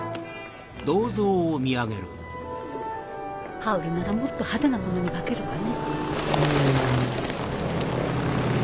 ハウルならもっと派手なものに化けるわね。